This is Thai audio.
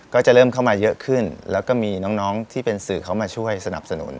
ก็จะเริ่มเข้ามาเยอะขึ้นแล้วก็มีน้องที่เป็นสื่อเขามาช่วยสนับสนุน